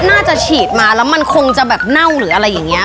น่าจะฉีดมาแล้วมันคงจะแบบเน่าหรืออะไรอย่างนี้